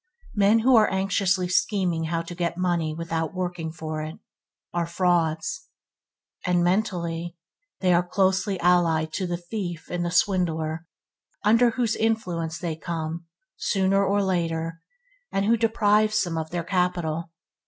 Men who are anxiously scheming how to get money without working for it, are frauds, and mentally they are closely allied to the thief and swindler under whose influence they come, sooner or later, and who deprives them of their capital.